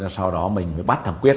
sau đó mình mới bắt thằng quyết